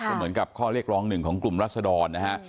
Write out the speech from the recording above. ก็เหมือนกับข้อเรียกร้องหนึ่งของกลุ่มรัศดรนะฮะ